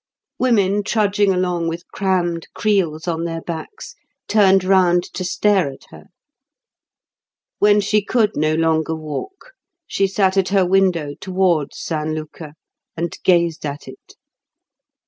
Women trudging along with crammed creels on their backs turned round to stare at her. When she could no longer walk, she sat at her window towards San Luca and gazed at it.